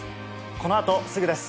この後すぐです。